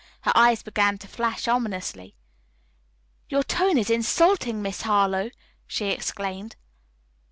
Her eyes began to flash ominously. "Your tone is insulting, Miss Harlowe!" she exclaimed.